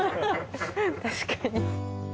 確かに。